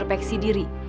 kenapa itu interpeksi diri